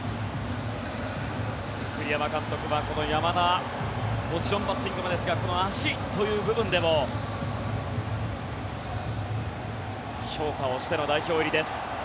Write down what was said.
栗山監督はこの山田もちろんバッティングもですがこの足という部分でも評価をしての代表入りです。